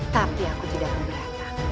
tapi aku tidak berat